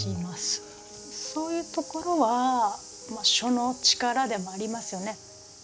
そういうところは書の力でもありますよね。